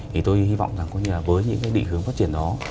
thì tôi hy vọng với những địa hướng phát triển đó